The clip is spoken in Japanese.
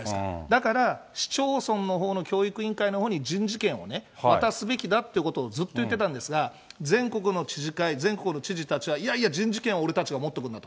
だから、市町村のほうの教育委員会のほうに人事権を渡すべきだということをずっと言ってたんですが、全国の知事会、全国の知事たちは、いやいや、人事権は俺たちが持っておくんだ。